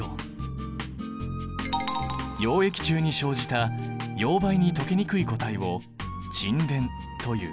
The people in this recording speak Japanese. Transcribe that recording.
溶液中に生じた溶媒に溶けにくい固体を沈殿という。